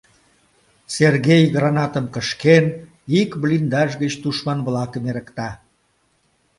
Сергей, гранатым кышкен, ик блиндаж гыч тушман-влакым эрыкта.